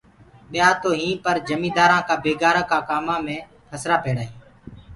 ٻيآ تو هيٚنٚ پر جميدآرآنٚ ڪآ بيگاري ڪآ ڪآمانٚ مي پهسرآ پيڙآ هيٚنٚ۔